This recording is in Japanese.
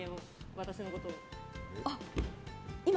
私のことを。